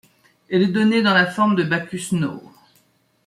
Elle est donnée dans la forme de Backus-Naur.